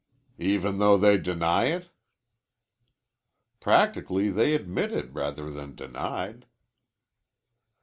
"Even though they deny it." "Practically they admitted rather than denied."